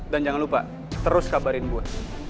dan jangan lupa terus kabarin gue